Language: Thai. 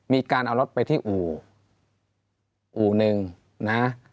มีการเอารถไปที่อู่อู่หนึ่งนะ